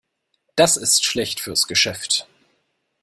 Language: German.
Das ist schlecht fürs Geschäft.